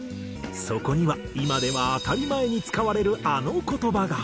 そこには今では当たり前に使われるあの言葉が。